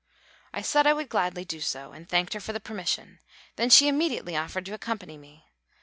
I said I would gladly do so, and thanked her for the permission; then she immediately offered to accompany me.